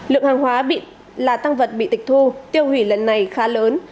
lượng hàng hóa là tăng vật bị tịch thu tiêu hủy lần này khá lớn